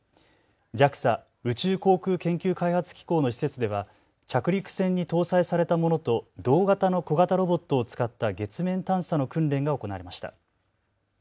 ＪＡＸＡ・宇宙航空研究開発機構の施設では着陸船に搭載されたものと同型の小型ロボットを使った月面探査の訓練が行われました。